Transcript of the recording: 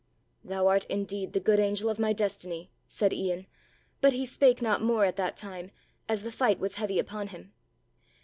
"Thou art indeed the good angel of my destiny," said Ian; but he spake not more at that time, as the fight was heavy upon him.